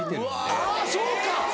あぁそうか！